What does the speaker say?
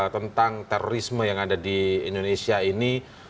tentang terorisme yang ada di indonesia ini